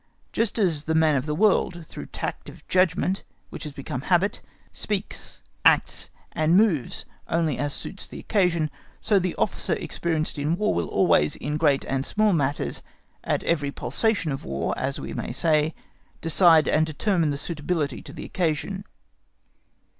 Just as the man of the world, through tact of judgment which has become habit, speaks, acts, and moves only as suits the occasion, so the officer experienced in War will always, in great and small matters, at every pulsation of War as we may say, decide and determine suitably to the occasion.